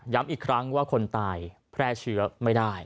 อีกครั้งว่าคนตายแพร่เชื้อไม่ได้